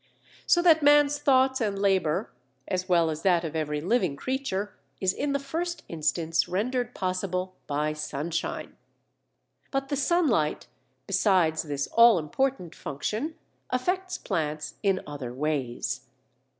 So that man's thoughts and labour, as well as that of every living creature, is in the first instance rendered possible by sunshine. But the sunlight, besides this all important function, affects plants in other ways.